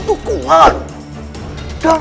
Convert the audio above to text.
untuk menggalang dukungan